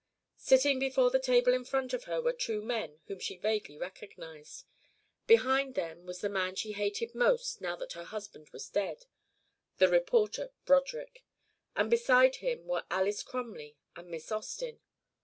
Sitting before the table in front of her were two men whom she vaguely recognised. Behind them was the man she hated most now that her husband was dead, the reporter Broderick. And beside him were Alys Crumley and Miss Austin.